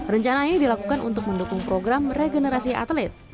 rencana ini dilakukan untuk mendukung program regenerasi atlet